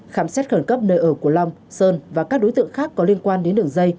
khám xét khẩn cấp nơi ở của long sơn và các đối tượng khác có liên quan đến đường dây